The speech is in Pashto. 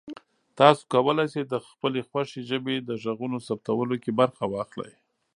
تاسو کولی شئ د خپلې خوښې ژبې د غږونو ثبتولو کې برخه واخلئ.